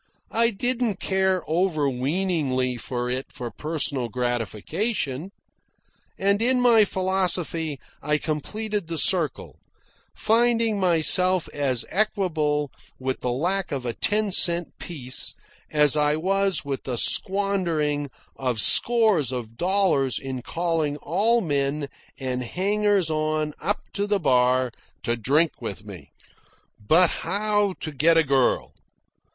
I didn't care over weeningly for it for personal gratification; and in my philosophy I completed the circle, finding myself as equable with the lack of a ten cent piece as I was with the squandering of scores of dollars in calling all men and hangers on up to the bar to drink with me. But how to get a girl?